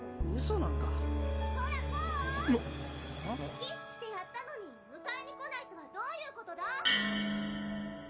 「こら。光」「キスしてやったのに迎えに来ないとはどういうことだ？」